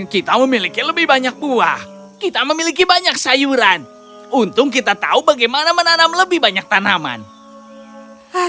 kita memiliki lebih banyak buah kita memiliki banyak sayuran untung kita tahu bagaimana menanam lebih banyak tanaman khas